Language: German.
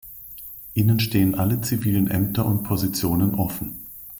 Ihnen stehen alle zivilen Ämter und Positionen offen.